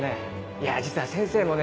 いや実は先生もね